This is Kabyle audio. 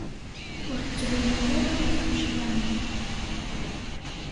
Ur t-ttlummu ara ɣef tuccḍa-nni.